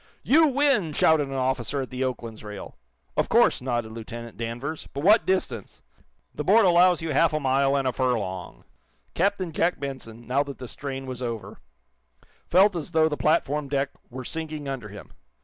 "You win!" shouted an officer at the "Oakland's" rail. "Of course," nodded Lieutenant Danvers, "But what distance?" "The board allows you half a mile and a furlong." Captain Jack Benson, now that the strain was over, felt as though the platform deck were sinking under him.